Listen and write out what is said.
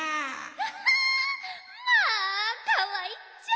ハハまあかわいいっちゃ！